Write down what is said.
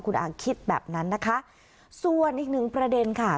คุณอาคิดแบบนั้นนะคะส่วนอีกหนึ่งประเด็นค่ะ